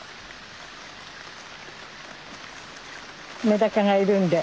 メダカがいるんで。